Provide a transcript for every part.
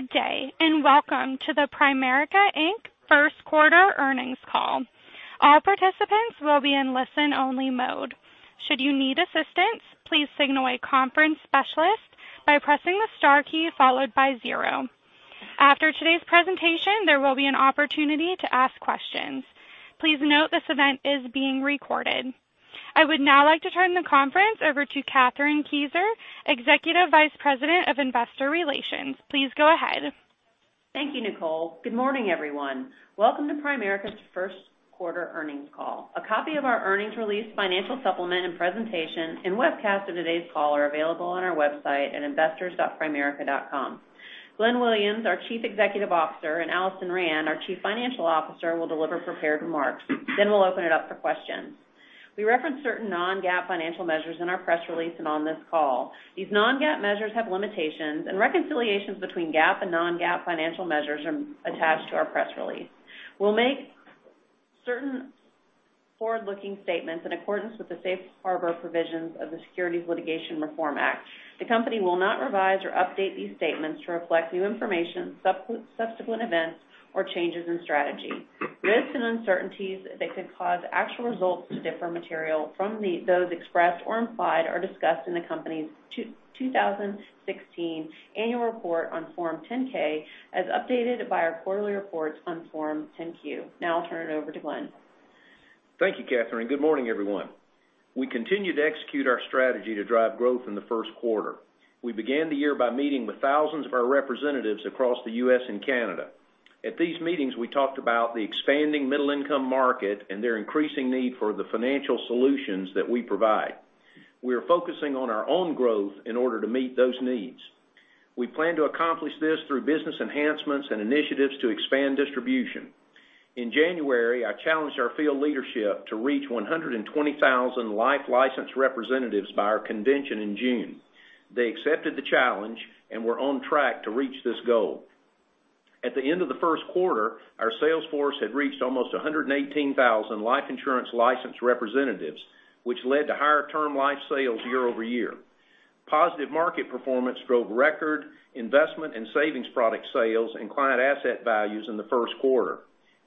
Good day, and welcome to the Primerica, Inc. first quarter earnings call. All participants will be in listen-only mode. Should you need assistance, please signal a conference specialist by pressing the star key followed by zero. After today's presentation, there will be an opportunity to ask questions. Please note this event is being recorded. I would now like to turn the conference over to Kathryn Kieser, Executive Vice President of Investor Relations. Please go ahead. Thank you, Nicole. Good morning, everyone. Welcome to Primerica's first quarter earnings call. A copy of our earnings release, financial supplement and presentation and webcast of today's call are available on our website at investors.primerica.com. Glenn Williams, our Chief Executive Officer, and Alison Rand, our Chief Financial Officer, will deliver prepared remarks. We'll open it up for questions. We reference certain non-GAAP financial measures in our press release and on this call. These non-GAAP measures have limitations, and reconciliations between GAAP and non-GAAP financial measures are attached to our press release. We'll make certain forward-looking statements in accordance with the safe harbor provisions of the Securities Litigation Reform Act. The company will not revise or update these statements to reflect new information, subsequent events, or changes in strategy. Risks and uncertainties that could cause actual results to differ material from those expressed or implied are discussed in the company's 2016 annual report on Form 10-K, as updated by our quarterly reports on Form 10-Q. I'll turn it over to Glenn. Thank you, Kathryn. Good morning, everyone. We continue to execute our strategy to drive growth in the first quarter. We began the year by meeting with thousands of our representatives across the U.S. and Canada. At these meetings, we talked about the expanding middle-income market and their increasing need for the financial solutions that we provide. We are focusing on our own growth in order to meet those needs. We plan to accomplish this through business enhancements and initiatives to expand distribution. In January, I challenged our field leadership to reach 120,000 life-licensed representatives by our convention in June. They accepted the challenge and we're on track to reach this goal. At the end of the first quarter, our sales force had reached almost 118,000 life insurance-licensed representatives, which led to higher Term Life sales year-over-year. Positive market performance drove record investment and savings product sales and client asset values in the first quarter.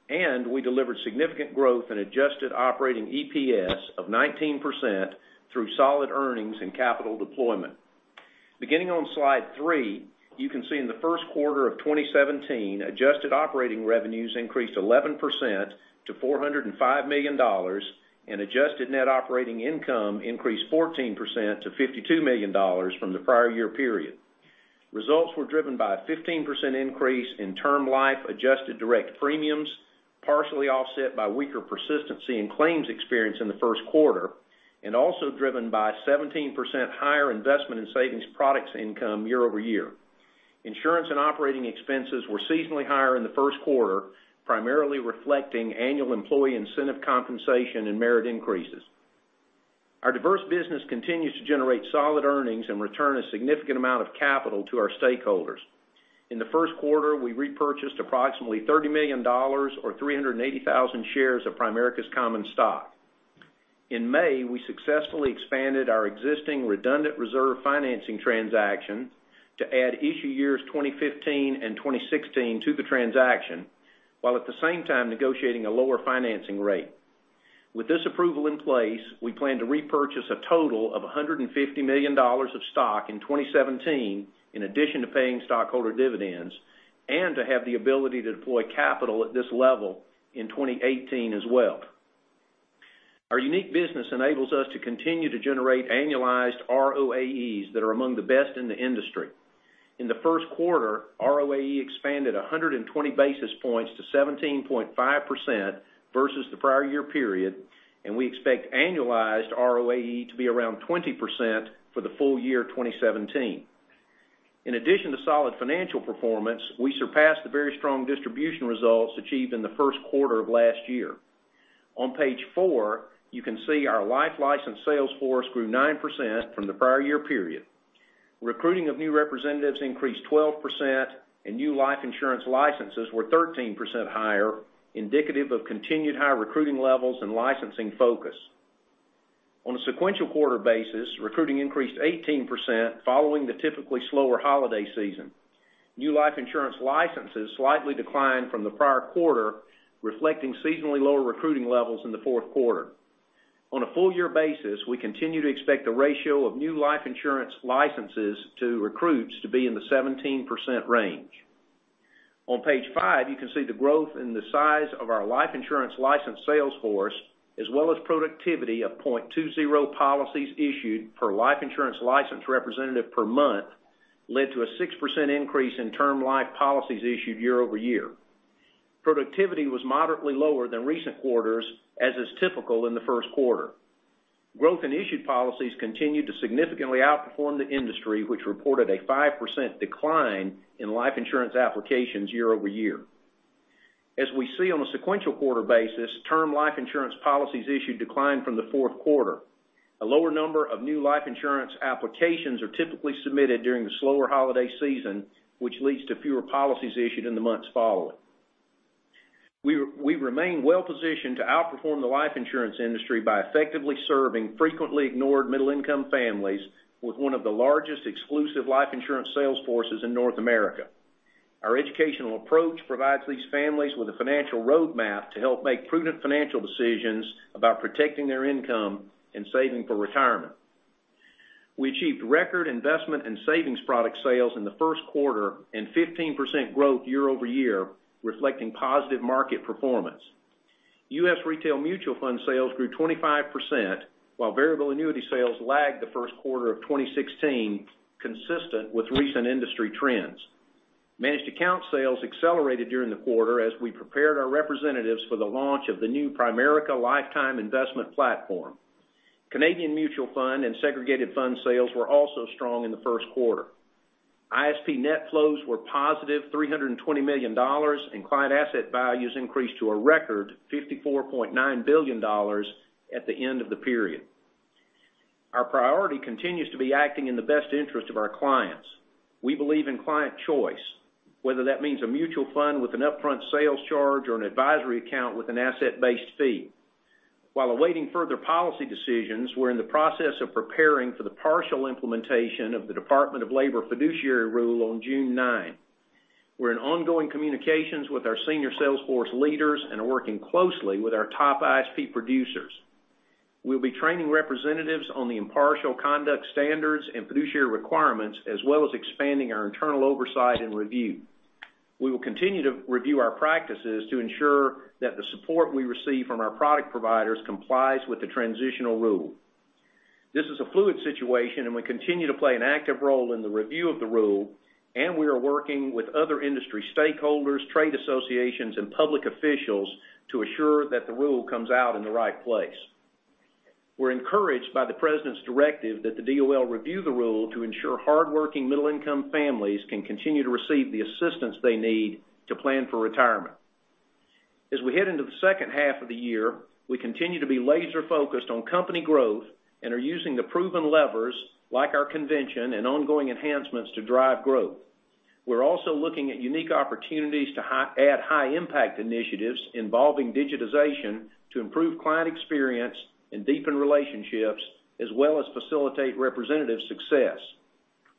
We delivered significant growth in adjusted operating EPS of 19% through solid earnings and capital deployment. Beginning on slide three, you can see in the first quarter of 2017, adjusted operating revenues increased 11% to $405 million, and adjusted net operating income increased 14% to $52 million from the prior year period. Results were driven by a 15% increase in Term Life adjusted direct premiums, partially offset by weaker persistency in claims experience in the first quarter, and also driven by 17% higher investment in savings products income year-over-year. Insurance and operating expenses were seasonally higher in the first quarter, primarily reflecting annual employee incentive compensation and merit increases. Our diverse business continues to generate solid earnings and return a significant amount of capital to our stakeholders. In the first quarter, we repurchased approximately $30 million or 380,000 shares of Primerica's common stock. In May, we successfully expanded our existing redundant reserve financing transaction to add issue years 2015 and 2016 to the transaction, while at the same time negotiating a lower financing rate. With this approval in place, we plan to repurchase a total of $150 million of stock in 2017, in addition to paying stockholder dividends and to have the ability to deploy capital at this level in 2018 as well. Our unique business enables us to continue to generate annualized ROAEs that are among the best in the industry. In the first quarter, ROAE expanded 120 basis points to 17.5% versus the prior year period, and we expect annualized ROAE to be around 20% for the full year 2017. In addition to solid financial performance, we surpassed the very strong distribution results achieved in the first quarter of last year. On page four, you can see our life license sales force grew 9% from the prior year period. Recruiting of new representatives increased 12%, and new life insurance licenses were 13% higher, indicative of continued high recruiting levels and licensing focus. On a sequential quarter basis, recruiting increased 18% following the typically slower holiday season. New life insurance licenses slightly declined from the prior quarter, reflecting seasonally lower recruiting levels in the fourth quarter. On a full year basis, we continue to expect a ratio of new life insurance licenses to recruits to be in the 17% range. On page five, you can see the growth in the size of our life insurance license sales force, as well as productivity of 0.20 policies issued per life insurance license representative per month led to a 6% increase in Term Life policies issued year-over-year. Productivity was moderately lower than recent quarters, as is typical in the first quarter. Growth in issued policies continued to significantly outperform the industry, which reported a 5% decline in life insurance applications year-over-year. As we see on a sequential quarter basis, Term Life insurance policies issued declined from the fourth quarter. A lower number of new life insurance applications are typically submitted during the slower holiday season, which leads to fewer policies issued in the months following. We remain well-positioned to outperform the life insurance industry by effectively serving frequently ignored middle-income families with one of the largest exclusive life insurance sales forces in North America. Our educational approach provides these families with a financial roadmap to help make prudent financial decisions about protecting their income and saving for retirement. We achieved record investment in savings product sales in the first quarter and 15% growth year-over-year, reflecting positive market performance. U.S. retail mutual fund sales grew 25%, while variable annuity sales lagged the first quarter of 2016, consistent with recent industry trends. Managed account sales accelerated during the quarter as we prepared our representatives for the launch of the new Primerica Advisors Lifetime Investment Platform. Canadian mutual fund and segregated fund sales were also strong in the first quarter. ISP net flows were positive $320 million, and client asset values increased to a record $54.9 billion at the end of the period. Our priority continues to be acting in the best interest of our clients. We believe in client choice, whether that means a mutual fund with an upfront sales charge or an advisory account with an asset-based fee. While awaiting further policy decisions, we're in the process of preparing for the partial implementation of the Department of Labor fiduciary rule on June 9. We're in ongoing communications with our senior sales force leaders and are working closely with our top ISP producers. We'll be training representatives on the impartial conduct standards and fiduciary requirements, as well as expanding our internal oversight and review. We will continue to review our practices to ensure that the support we receive from our product providers complies with the transitional rule. This is a fluid situation, and we continue to play an active role in the review of the rule, and we are working with other industry stakeholders, trade associations, and public officials to assure that the rule comes out in the right place. We're encouraged by the president's directive that the DOL review the rule to ensure hardworking middle-income families can continue to receive the assistance they need to plan for retirement. As we head into the second half of the year, we continue to be laser-focused on company growth and are using the proven levers, like our convention and ongoing enhancements, to drive growth. We're also looking at unique opportunities to add high impact initiatives involving digitization to improve client experience and deepen relationships, as well as facilitate representative success.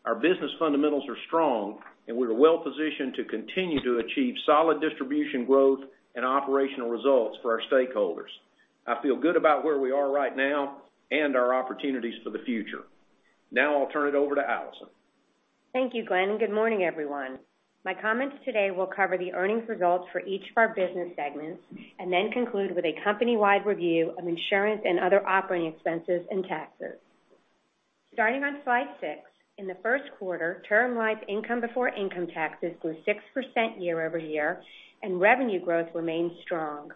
Our business fundamentals are strong, and we're well-positioned to continue to achieve solid distribution growth and operational results for our stakeholders. I feel good about where we are right now and our opportunities for the future. Now I'll turn it over to Alison. Thank you, Glenn, and good morning, everyone. My comments today will cover the earnings results for each of our business segments, and then conclude with a company-wide review of insurance and other operating expenses and taxes. Starting on slide six, in the first quarter, Term Life income before income taxes grew 6% year-over-year, and revenue growth remained strong.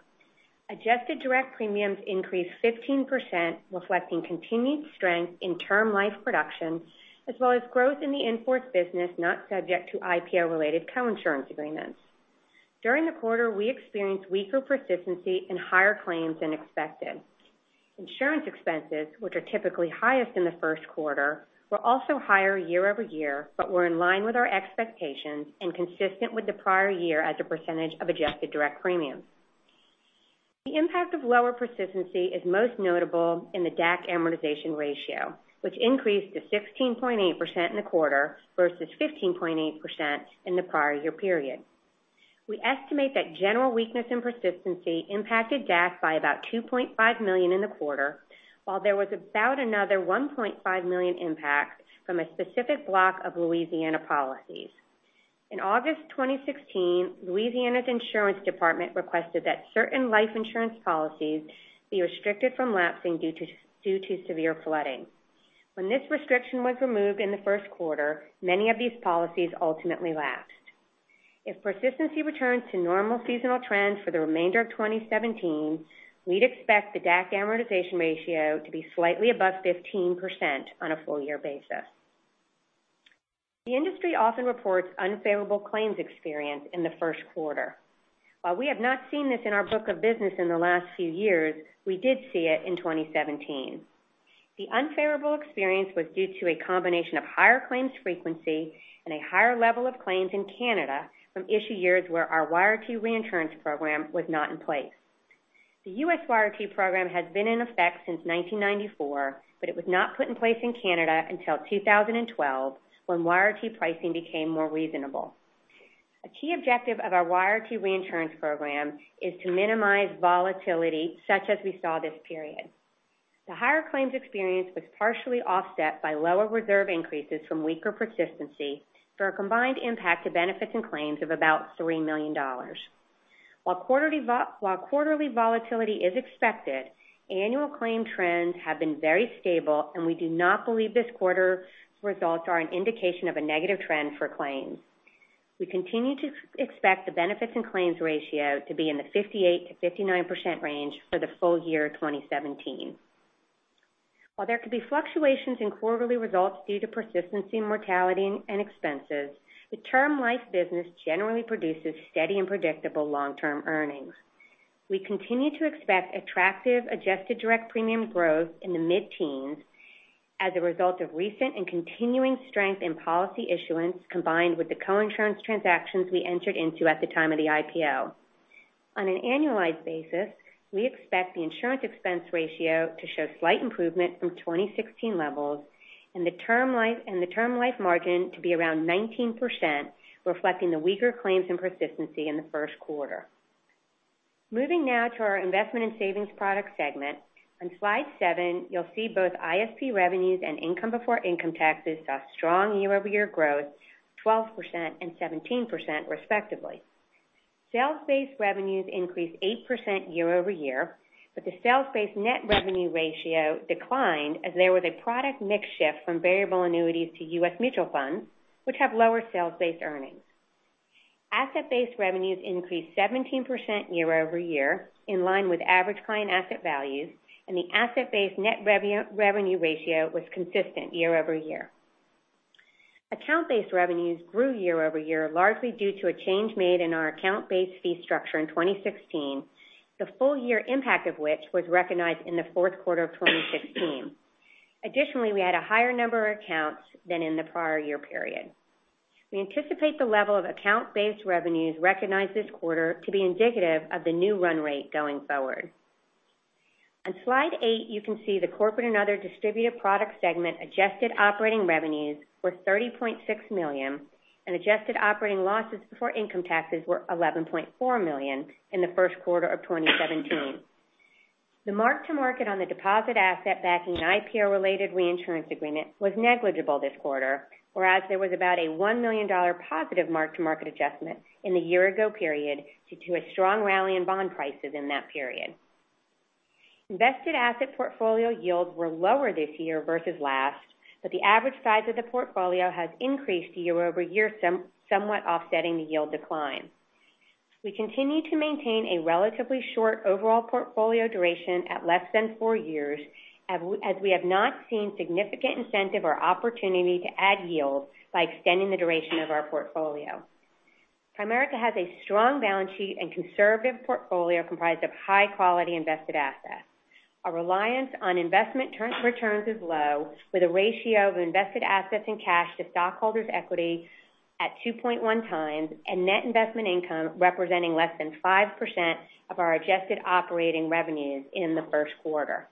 Adjusted direct premiums increased 15%, reflecting continued strength in Term Life production, as well as growth in the in-force business not subject to IPO-related co-insurance agreements. During the quarter, we experienced weaker persistency and higher claims than expected. Insurance expenses, which are typically highest in the first quarter, were also higher year-over-year. Were in line with our expectations and consistent with the prior year as a percentage of adjusted direct premiums. The impact of lower persistency is most notable in the DAC amortization ratio, which increased to 16.8% in the quarter versus 15.8% in the prior year period. We estimate that general weakness in persistency impacted DAC by about $2.5 million in the quarter, while there was about another $1.5 million impact from a specific block of Louisiana policies. In August 2016, Louisiana's insurance department requested that certain life insurance policies be restricted from lapsing due to severe flooding. When this restriction was removed in the first quarter, many of these policies ultimately lapsed. If persistency returns to normal seasonal trends for the remainder of 2017, we'd expect the DAC amortization ratio to be slightly above 15% on a full year basis. The industry often reports unfavorable claims experience in the first quarter. While we have not seen this in our book of business in the last few years, we did see it in 2017. The unfavorable experience was due to a combination of higher claims frequency and a higher level of claims in Canada from issue years where our YRT reinsurance program was not in place. The U.S. YRT program has been in effect since 1994, but it was not put in place in Canada until 2012, when YRT pricing became more reasonable. A key objective of our YRT reinsurance program is to minimize volatility such as we saw this period. The higher claims experience was partially offset by lower reserve increases from weaker persistency for a combined impact to benefits and claims of about $3 million. While quarterly volatility is expected, annual claim trends have been very stable, and we do not believe this quarter results are an indication of a negative trend for claims. We continue to expect the benefits and claims ratio to be in the 58%-59% range for the full year 2017. While there could be fluctuations in quarterly results due to persistency, mortality, and expenses, the Term Life business generally produces steady and predictable long-term earnings. We continue to expect attractive adjusted direct premium growth in the mid-teens. As a result of recent and continuing strength in policy issuance, combined with the co-insurance transactions we entered into at the time of the IPO. On an annualized basis, we expect the insurance expense ratio to show slight improvement from 2016 levels and the Term Life margin to be around 19%, reflecting the weaker claims and persistency in the first quarter. Moving now to our investment and savings product segment. On slide seven, you'll see both ISP revenues and income before income taxes saw strong year-over-year growth, 12% and 17% respectively. Sales-based revenues increased 8% year-over-year, but the sales-based net revenue ratio declined as there was a product mix shift from variable annuities to U.S. mutual funds, which have lower sales-based earnings. Asset-based revenues increased 17% year-over-year, in line with average client asset values, and the asset-based net revenue ratio was consistent year-over-year. Account-based revenues grew year-over-year, largely due to a change made in our account-based fee structure in 2016, the full-year impact of which was recognized in the fourth quarter of 2016. Additionally, we had a higher number of accounts than in the prior year period. We anticipate the level of account-based revenues recognized this quarter to be indicative of the new run rate going forward. On slide eight, you can see the corporate and other distributive product segment adjusted operating revenues were $30.6 million and adjusted operating losses before income taxes were $11.4 million in the first quarter of 2017. The mark-to-market on the deposit asset backing IPO-related reinsurance agreement was negligible this quarter, whereas there was about a $1 million positive mark-to-market adjustment in the year-ago period due to a strong rally in bond prices in that period. Invested asset portfolio yields were lower this year versus last, but the average size of the portfolio has increased year-over-year, somewhat offsetting the yield decline. We continue to maintain a relatively short overall portfolio duration at less than four years, as we have not seen significant incentive or opportunity to add yield by extending the duration of our portfolio. Primerica has a strong balance sheet and conservative portfolio comprised of high-quality invested assets. Our reliance on investment returns is low, with a ratio of invested assets and cash to stockholders' equity at 2.1 times and net investment income representing less than 5% of our adjusted operating revenues in the first quarter.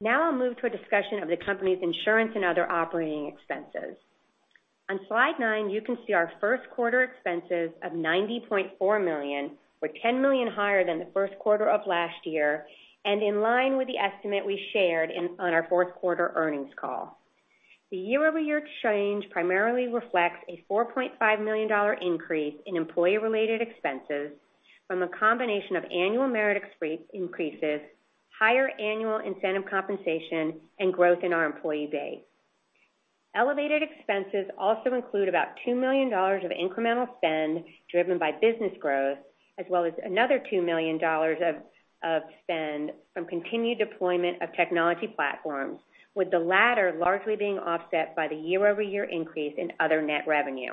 Now I'll move to a discussion of the company's insurance and other operating expenses. On slide nine, you can see our first quarter expenses of $90.4 million, were $10 million higher than the first quarter of last year, and in line with the estimate we shared on our fourth quarter earnings call. The year-over-year change primarily reflects a $4.5 million increase in employee-related expenses from a combination of annual merited increases, higher annual incentive compensation, and growth in our employee base. Elevated expenses also include about $2 million of incremental spend driven by business growth as well as another $2 million of spend from continued deployment of technology platforms, with the latter largely being offset by the year-over-year increase in other net revenue.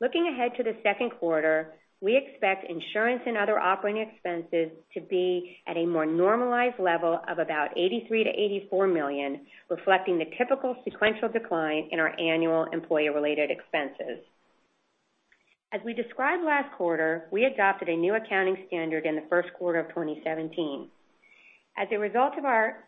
Looking ahead to the second quarter, we expect insurance and other operating expenses to be at a more normalized level of about $83 million-$84 million, reflecting the typical sequential decline in our annual employee-related expenses. As we described last quarter, we adopted a new accounting standard in the first quarter of 2017. As a result, our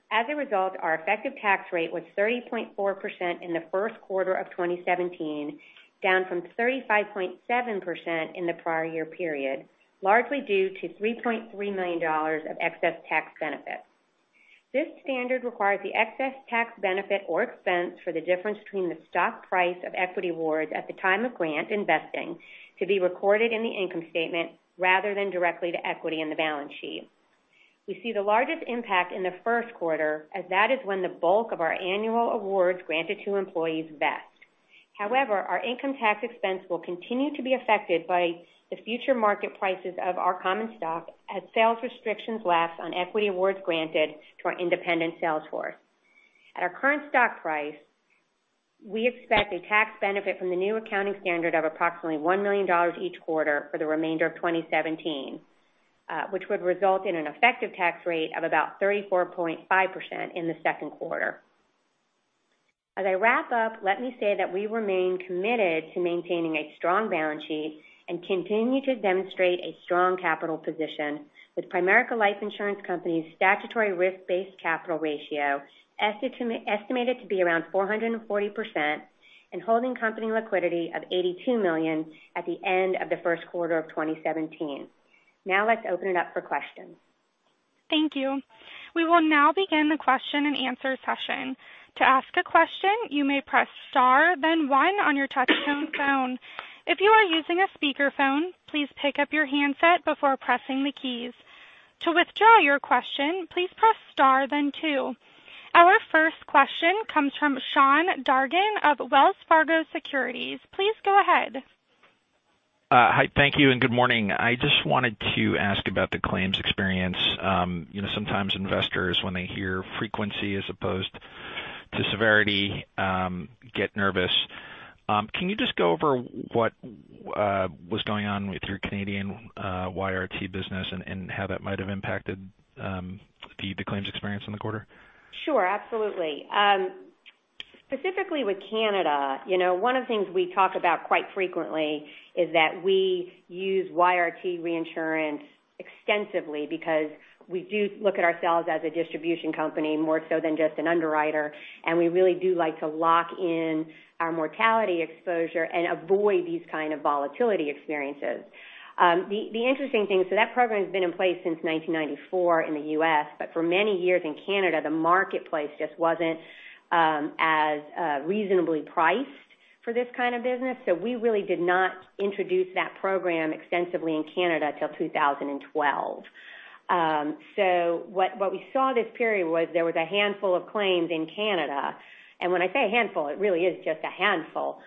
effective tax rate was 30.4% in the first quarter of 2017, down from 35.7% in the prior year period, largely due to $3.3 million of excess tax benefits. This standard requires the excess tax benefit or expense for the difference between the stock price of equity awards at the time of grant and vesting to be recorded in the income statement rather than directly to equity in the balance sheet. We see the largest impact in the first quarter, as that is when the bulk of our annual awards granted to employees vest. However, our income tax expense will continue to be affected by the future market prices of our common stock as sales restrictions lapse on equity awards granted to our independent sales force. At our current stock price, we expect a tax benefit from the new accounting standard of approximately $1 million each quarter for the remainder of 2017, which would result in an effective tax rate of about 34.5% in the second quarter. As I wrap up, let me say that we remain committed to maintaining a strong balance sheet and continue to demonstrate a strong capital position with Primerica Life Insurance Company's statutory risk-based capital ratio estimated to be around 440% and holding company liquidity of $82 million at the end of the first quarter of 2017. Now let's open it up for questions. Thank you. We will now begin the question and answer session. To ask a question, you may press star then one on your touchtone phone. If you are using a speakerphone, please pick up your handset before pressing the keys. To withdraw your question, please press star then two. Our first question comes from Sean Dargan of Wells Fargo Securities. Please go ahead. Hi, thank you, and good morning. I just wanted to ask about the claims experience. Sometimes investors, when they hear frequency as opposed Can you just go over what was going on with your Canadian YRT business and how that might have impacted the claims experience in the quarter? Sure, absolutely. Specifically with Canada, one of the things we talk about quite frequently is that we use YRT reinsurance extensively because we do look at ourselves as a distribution company more so than just an underwriter, and we really do like to lock in our mortality exposure and avoid these kind of volatility experiences. The interesting thing, that program has been in place since 1994 in the U.S., but for many years in Canada, the marketplace just wasn't as reasonably priced for this kind of business. We really did not introduce that program extensively in Canada till 2012. What we saw this period was there was a handful of claims in Canada, and when I say a handful, it really is just a handful.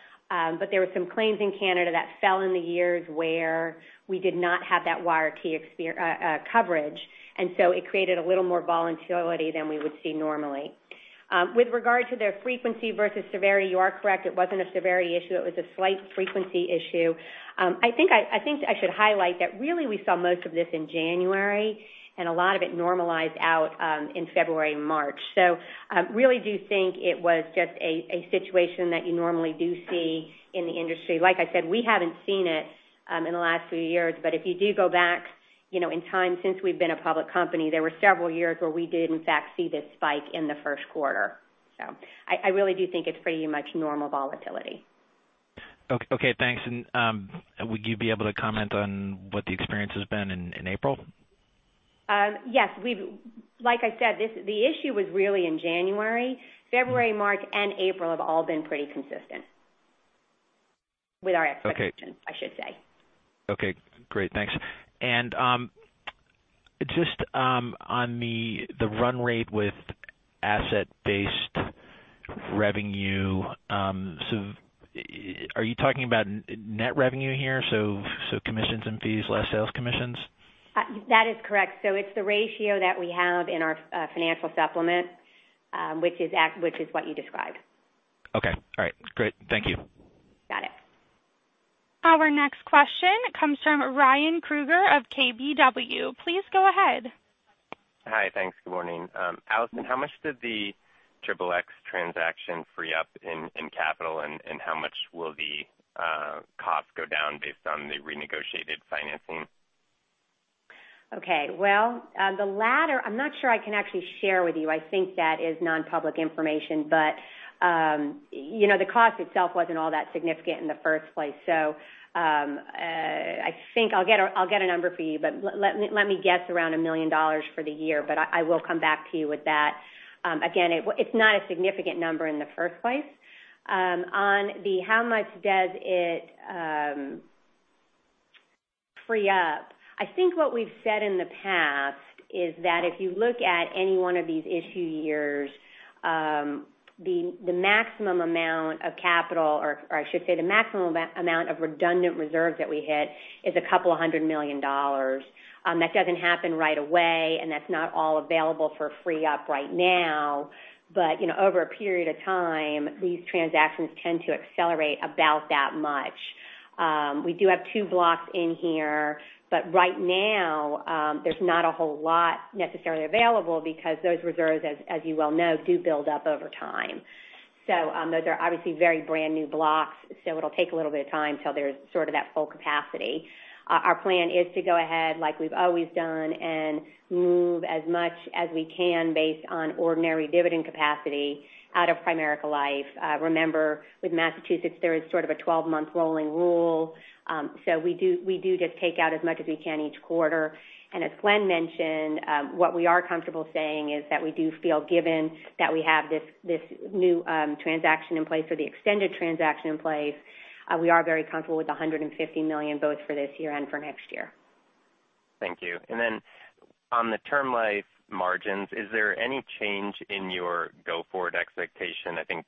There were some claims in Canada that fell in the years where we did not have that YRT coverage, and it created a little more volatility than we would see normally. With regard to their frequency versus severity, you are correct, it wasn't a severity issue. It was a slight frequency issue. I think I should highlight that really we saw most of this in January, and a lot of it normalized out in February, March. I really do think it was just a situation that you normally do see in the industry. Like I said, we haven't seen it in the last few years, but if you do go back in time since we've been a public company, there were several years where we did in fact see this spike in the first quarter. I really do think it's pretty much normal volatility. Okay, thanks. Would you be able to comment on what the experience has been in April? Yes. Like I said, the issue was really in January. February, March, and April have all been pretty consistent with our expectations, I should say. Just on the run rate with asset-based revenue, so are you talking about net revenue here, so commissions and fees, less sales commissions? That is correct. It's the ratio that we have in our financial supplement, which is what you described. Okay. All right, great. Thank you. Got it. Our next question comes from Ryan Krueger of KBW. Please go ahead. Hi. Thanks. Good morning. Alison, how much did the XXX transaction free up in capital, and how much will the cost go down based on the renegotiated financing? Okay. Well, the latter I'm not sure I can actually share with you. I think that is non-public information, but the cost itself wasn't all that significant in the first place. I think I'll get a number for you, but let me guess around $1 million for the year, but I will come back to you with that. Again, it's not a significant number in the first place. On the how much does it free up, I think what we've said in the past is that if you look at any one of these issue years, the maximum amount of capital, or I should say the maximum amount of redundant reserves that we hit is a couple of hundred million dollars. That doesn't happen right away, and that's not all available for free up right now. Over a period of time, these transactions tend to accelerate about that much. We do have two blocks in here, but right now, there's not a whole lot necessarily available because those reserves, as you well know, do build up over time. Those are obviously very brand-new blocks, so it'll take a little bit of time till there's sort of that full capacity. Our plan is to go ahead like we've always done and move as much as we can based on ordinary dividend capacity out of Primerica Life. Remember, with Massachusetts, there is sort of a 12-month rolling rule. We do just take out as much as we can each quarter. As Glenn mentioned, what we are comfortable saying is that we do feel given that we have this new transaction in place or the extended transaction in place, we are very comfortable with the $150 million, both for this year and for next year. Thank you. On the Term Life margins, is there any change in your go-forward expectation? I think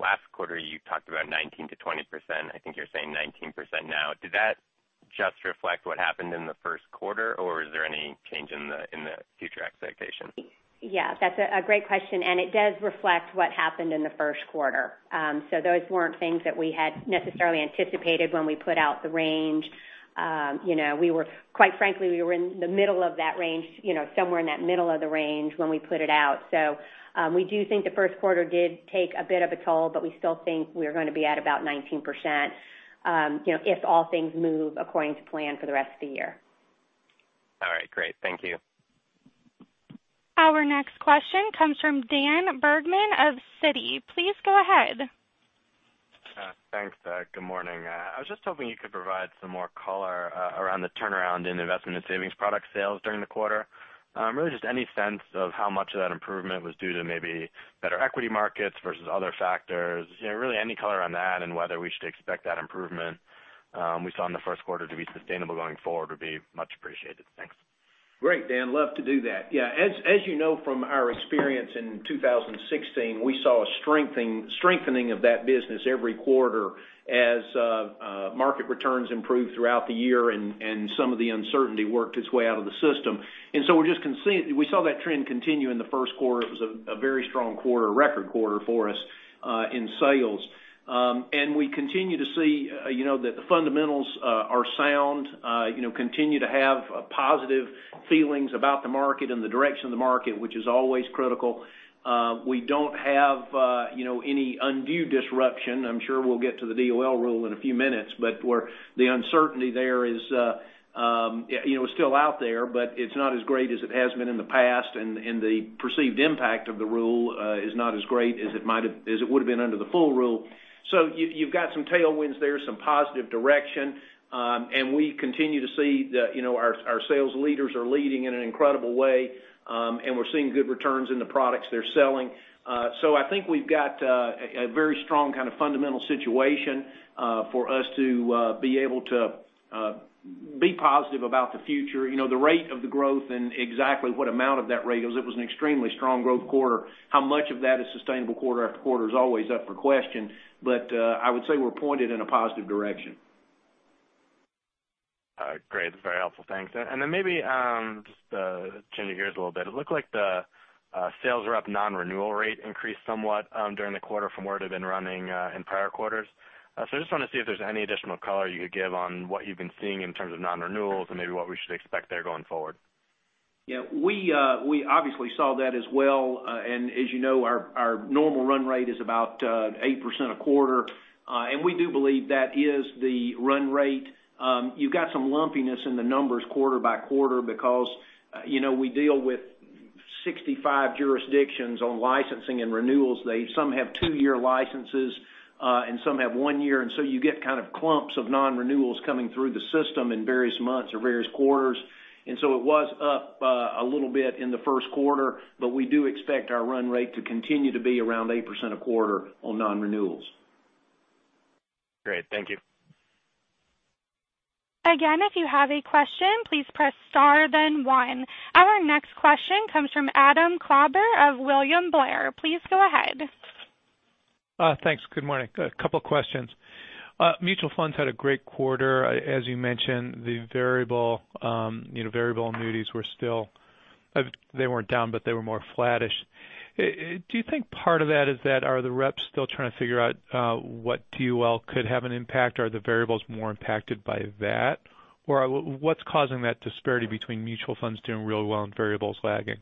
last quarter you talked about 19%-20%. I think you're saying 19% now. Did that just reflect what happened in the first quarter, or is there any change in the future expectation? That's a great question, and it does reflect what happened in the first quarter. Those weren't things that we had necessarily anticipated when we put out the range. Quite frankly, we were in the middle of that range, somewhere in that middle of the range when we put it out. We do think the first quarter did take a bit of a toll, but we still think we are going to be at about 19%, if all things move according to plan for the rest of the year. All right, great. Thank you. Our next question comes from Daniel Bergman of Citi. Please go ahead. Thanks. Good morning. I was just hoping you could provide some more color around the turnaround in investment and savings product sales during the quarter. Really just any sense of how much of that improvement was due to maybe better equity markets versus other factors. Really any color on that and whether we should expect that improvement we saw in the first quarter to be sustainable going forward would be much appreciated. Thanks. Great, Dan. Love to do that. Yeah, as you know from our experience in 2016, we saw a strengthening of that business every quarter as market returns improved throughout the year and some of the uncertainty worked its way out of the system. So we saw that trend continue in the first quarter. It was a very strong quarter, record quarter for us in sales. We continue to see that the fundamentals are sound, continue to have positive feelings about the market and the direction of the market, which is always critical. We don't have any undue disruption. I'm sure we'll get to the DOL rule in a few minutes, but where the uncertainty there is still out there, but it's not as great as it has been in the past, and the perceived impact of the rule is not as great as it would've been under the full rule. You've got some tailwinds there, some positive direction, and we continue to see our sales leaders are leading in an incredible way, and we're seeing good returns in the products they're selling. I think we've got a very strong kind of fundamental situation for us to be able to be positive about the future. The rate of the growth and exactly what amount of that rate, because it was an extremely strong growth quarter. How much of that is sustainable quarter after quarter is always up for question, but I would say we're pointed in a positive direction. Great. That's very helpful. Thanks. Then maybe just to change gears a little bit, it looked like the sales rep non-renewal rate increased somewhat during the quarter from where it had been running in prior quarters. I just want to see if there's any additional color you could give on what you've been seeing in terms of non-renewals and maybe what we should expect there going forward. Yeah, we obviously saw that as well. As you know, our normal run rate is about 8% a quarter. We do believe that is the run rate. You've got some lumpiness in the numbers quarter by quarter because we deal with 65 jurisdictions on licensing and renewals. Some have two-year licenses, and some have one year, so you get kind of clumps of non-renewals coming through the system in various months or various quarters. It was up a little bit in the first quarter, but we do expect our run rate to continue to be around 8% a quarter on non-renewals. Great. Thank you. Again, if you have a question, please press star then one. Our next question comes from Adam Klauber of William Blair. Please go ahead. Thanks. Good morning. A couple of questions. Mutual funds had a great quarter. As you mentioned, the variable annuities were still they weren't down, but they were more flattish. Do you think part of that is that are the reps still trying to figure out what DOL could have an impact? Are the variables more impacted by that? Or what's causing that disparity between mutual funds doing real well and variables lagging?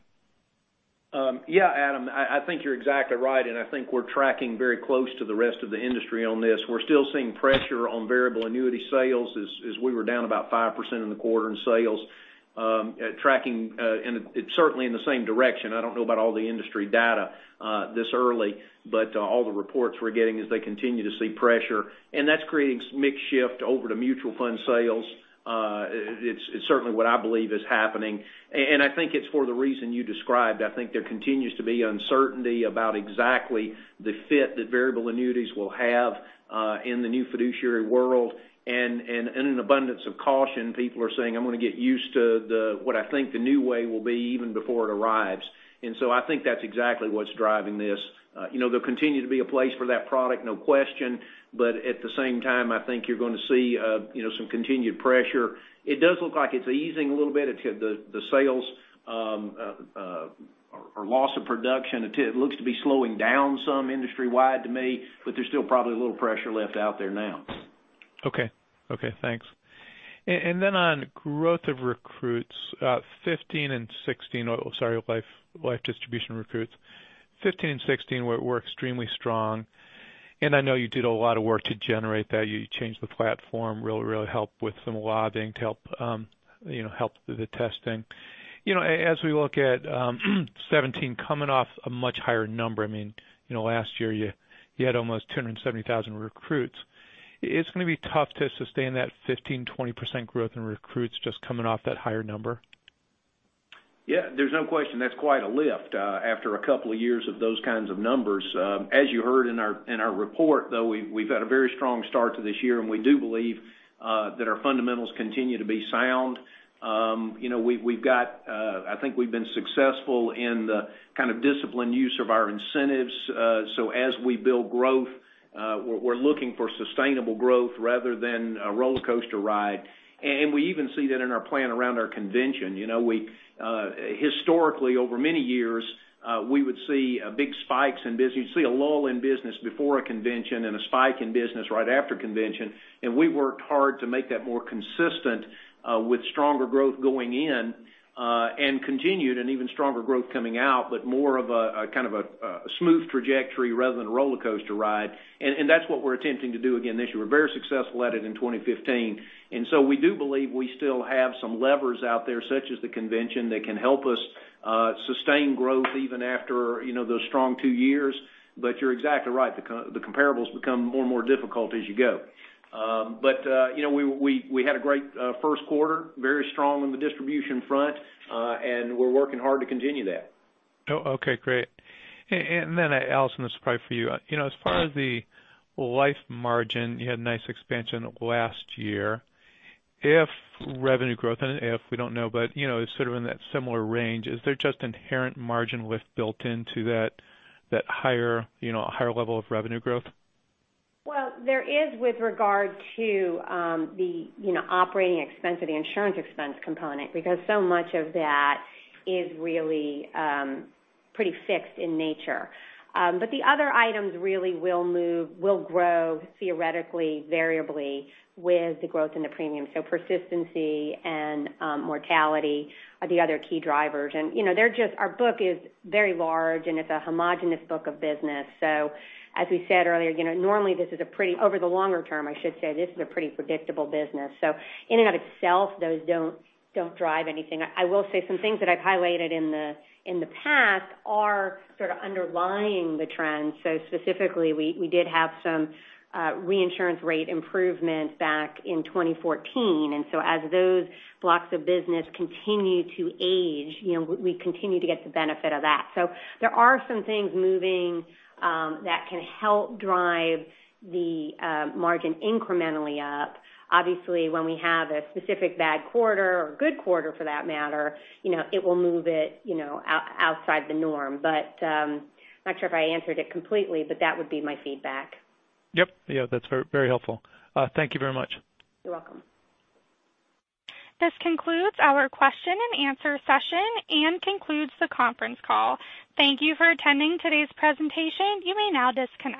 Yeah, Adam, I think you're exactly right, I think we're tracking very close to the rest of the industry on this. We're still seeing pressure on variable annuity sales as we were down about 5% in the quarter in sales, tracking certainly in the same direction. I don't know about all the industry data this early, but all the reports we're getting is they continue to see pressure, that's creating some mix shift over to mutual fund sales. It's certainly what I believe is happening. I think it's for the reason you described. I think there continues to be uncertainty about exactly the fit that variable annuities will have in the new fiduciary world. In an abundance of caution, people are saying, "I'm going to get used to what I think the new way will be even before it arrives." I think that's exactly what's driving this. There'll continue to be a place for that product, no question, but at the same time, I think you're going to see some continued pressure. It does look like it's easing a little bit. The sales or loss of production, it looks to be slowing down some industry-wide to me, but there's still probably a little pressure left out there now. Okay. Thanks. On growth of recruits, 2015 and 2016-- oh, sorry, life distribution recruits. 2015 and 2016 were extremely strong, and I know you did a lot of work to generate that. You changed the platform, really helped with some lobbying to help the testing. As we look at 2017 coming off a much higher number, last year you had almost 270,000 recruits. It's going to be tough to sustain that 15%-20% growth in recruits just coming off that higher number. Yeah. There's no question that's quite a lift after a couple of years of those kinds of numbers. As you heard in our report, though, we've had a very strong start to this year, and we do believe that our fundamentals continue to be sound. I think we've been successful in the kind of discipline use of our incentives. As we build growth, we're looking for sustainable growth rather than a roller coaster ride. We even see that in our plan around our convention. Historically, over many years, we would see big spikes in business. You'd see a lull in business before a convention and a spike in business right after convention, and we worked hard to make that more consistent with stronger growth going in, and continued and even stronger growth coming out, but more of a kind of a smooth trajectory rather than a roller coaster ride. That's what we're attempting to do again this year. We're very successful at it in 2015. We do believe we still have some levers out there, such as the convention, that can help us sustain growth even after those strong two years. You're exactly right, the comparables become more and more difficult as you go. We had a great first quarter, very strong on the distribution front. We're working hard to continue that. Okay, great. Alison, this is probably for you. As far as the life margin, you had nice expansion last year. If revenue growth, if we don't know, but it's sort of in that similar range, is there just inherent margin lift built into that higher level of revenue growth? Well, there is with regard to the operating expense or the insurance expense component, because so much of that is really pretty fixed in nature. The other items really will grow theoretically variably with the growth in the premium. Persistency and mortality are the other key drivers. Our book is very large, and it's a homogenous book of business. As we said earlier, normally this is a pretty, over the longer term, I should say, this is a pretty predictable business. In and of itself, those don't drive anything. I will say some things that I've highlighted in the past are sort of underlying the trends. Specifically, we did have some reinsurance rate improvements back in 2014. As those blocks of business continue to age, we continue to get the benefit of that. There are some things moving that can help drive the margin incrementally up. Obviously, when we have a specific bad quarter or good quarter for that matter, it will move it outside the norm. I'm not sure if I answered it completely, but that would be my feedback. Yep. Yeah, that's very helpful. Thank you very much. You're welcome. This concludes our question and answer session and concludes the conference call. Thank you for attending today's presentation. You may now disconnect.